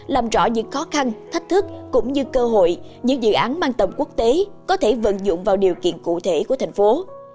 làm rõ những khó khăn thách thức cũng như cơ hội những dự án mang tầm quốc tế có thể vận dụng vào điều kiện cụ thể của thành phố